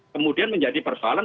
kemudian menjadi persoalan